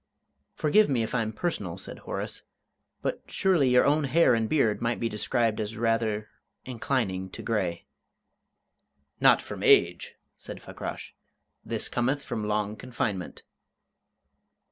"Forgive me if I'm personal," said Horace; "but surely your own hair and beard might be described as rather inclining to grey." "Not from age," said Fakrash, "This cometh from long confinement."